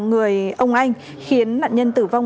người ông anh khiến nạn nhân tử vong